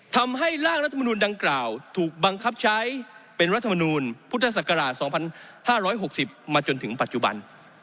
ร่างรัฐมนุนดังกล่าวถูกบังคับใช้เป็นรัฐมนูลพุทธศักราช๒๕๖๐มาจนถึงปัจจุบัน